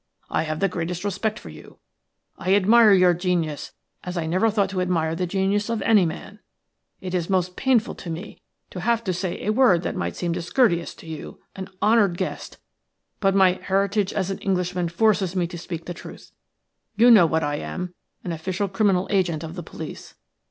I have the greatest respect for you; I admire your genius as I never thought to admire the genius of any man. It is most painful to me to have to say a word that may seem discourteous to you, an honoured guest, but my heritage as an Englishman forces me to speak the truth. You know what I am– an official criminal agent of the police.